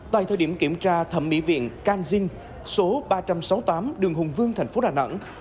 tại thời điểm kiểm tra thẩm mỹ viện canxin số ba trăm sáu mươi tám đường hùng vương thành phố đà nẵng